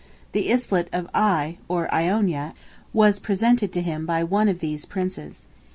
The islet of I., or Iona, as presented to him by one of these princes.